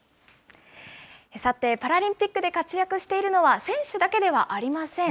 さて、パラリンピックで活躍しているのは、選手だけではありません。